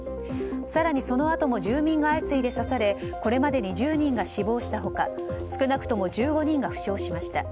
更にそのあとも住人が相次いで刺されこれまでに１０人が死亡した他少なくとも１５人が負傷しました。